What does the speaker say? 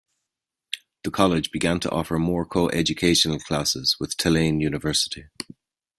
The college began to offer more coeducational classes with Tulane University.